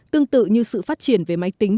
tương tự như sự phát triển về máy tính